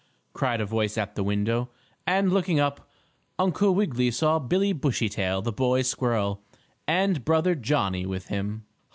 cried a voice at the window, and, looking up. Uncle Wiggily saw Billie Bushytail, the boy squirrel, and brother Johnnie with him.